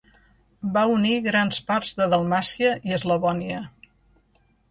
Va unir grans parts de Dalmàcia i Eslavònia.